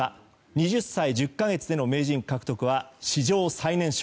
２０歳１０か月での名人獲得は史上最年少。